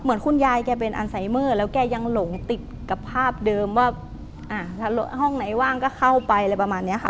เหมือนคุณยายแกเป็นอันไซเมอร์แล้วแกยังหลงติดกับภาพเดิมว่าถ้าห้องไหนว่างก็เข้าไปอะไรประมาณนี้ค่ะ